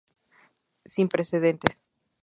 Sin precedentes.